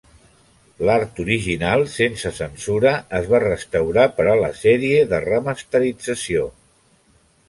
L'art original sense censura es va restaurar per a la sèrie de remasterització.